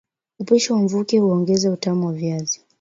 Upishi wa mvuke huongeza utamu wa viazi